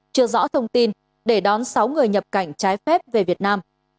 chưa rõ thông tin để đón sáu người nhập cảnh trái phép về việt nam